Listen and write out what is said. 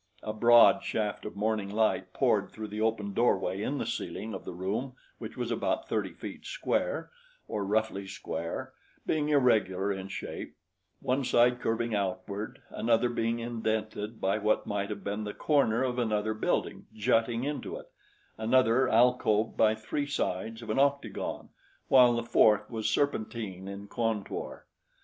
A broad shaft of morning light poured through the open doorway in the ceiling of the room which was about thirty feet square, or roughly square, being irregular in shape, one side curving outward, another being indented by what might have been the corner of another building jutting into it, another alcoved by three sides of an octagon, while the fourth was serpentine in contour.